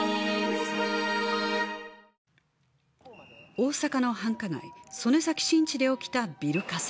大阪の繁華街曽根崎新地で起きたビル火災。